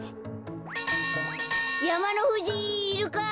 やまのふじいるか？